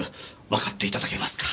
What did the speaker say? わかっていただけますか。